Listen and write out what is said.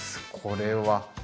これは。